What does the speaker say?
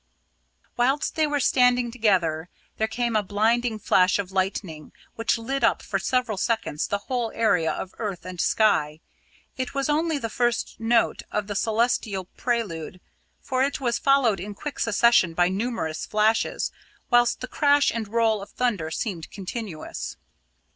Whilst they were standing together, there came a blinding flash of lightning, which lit up for several seconds the whole area of earth and sky. It was only the first note of the celestial prelude, for it was followed in quick succession by numerous flashes, whilst the crash and roll of thunder seemed continuous.